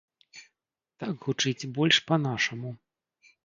Так гучыць больш па-нашаму.